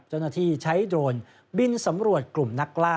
เจ้าหน้าที่ใช้โดรนบินสำรวจกลุ่มนักล่า